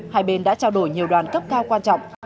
hai bên đã trao đổi nhiều đoàn cấp cao quan trọng